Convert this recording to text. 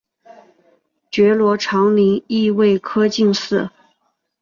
觉罗长麟乙未科进士。